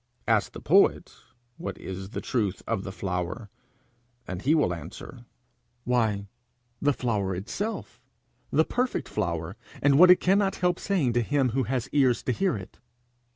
Ask the poet what is the truth of the flower, and he will answer: 'Why, the flower itself, the perfect flower, and what it cannot help saying to him who has ears to hear it.'